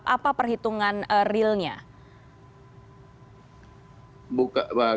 apa perhitungan realnya